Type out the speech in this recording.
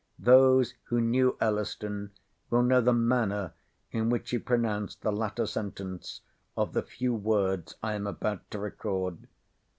Those who knew Elliston, will know the manner in which he pronounced the latter sentence of the few words I am about to record.